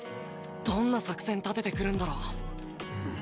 どんな作戦立ててくるんだろう？